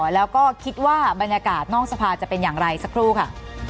แล้วก็คิดว่าบรรยากาศนอกสภาจะเป็นอย่างไรสักครู่ค่ะ